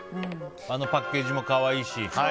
あのパッケージも可愛いし。